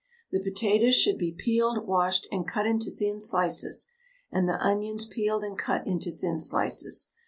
The potatoes should be peeled, washed, and cut into thin slices, and the onions peeled and cut into thin slices.